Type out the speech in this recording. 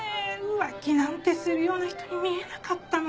浮気なんてするような人に見えなかったのに。